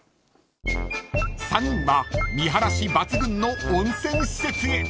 ［３人は見晴らし抜群の温泉施設へ］